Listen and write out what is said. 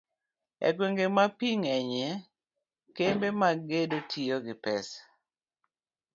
e gwenge ma pi ng'enyie, kembe mag gedo tiyo gi pesa